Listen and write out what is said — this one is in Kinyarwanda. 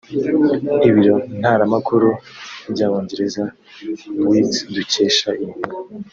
Ibiro ntaramakuru by’Abongereza Reuters dukesha iyi nkuru